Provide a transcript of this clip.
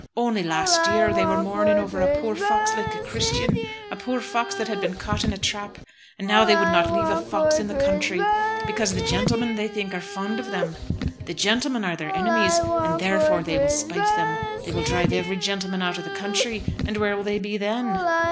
Only last year they were mourning over a poor fox like a Christian, a poor fox that had been caught in a trap, and now they would not leave a fox in the country, because the gentlemen, they think, are fond of them. The gentlemen are their enemies, and therefore they will spite them. They will drive every gentleman out of the country, and where will they be then?"